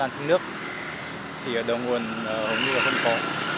tăng chấm nước thì ở đầu nguồn cũng như là không có